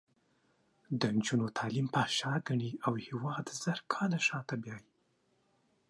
د نجونو تعلیم فحشا ګڼي او هېواد زر کاله شاته بیایي.